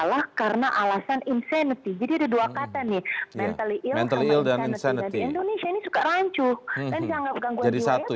salah karena alasan insanity jadi dua kata nih mental dan indonesia ini suka rancu jadi satu